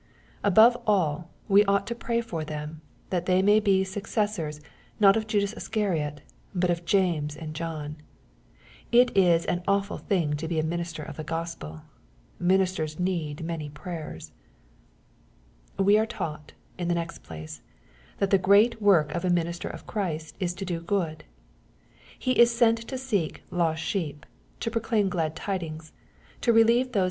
Above all, we ought to pray for fEem, that they may be successors not of Judas Iscariot, but of James and John. It is an awful thing to be a minister of the Gospel I Ministers need many prayers. We are taught, in the next place, that the great work of a minister of Christ is to do good. He is sent to seek "loot sheep," — ^to proclaim glad tidings, — to relieve those 96 EXFOSITOBT THOUGHTS.